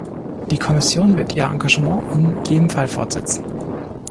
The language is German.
Die Kommission wird ihr Engagement in jedem Fall fortsetzen.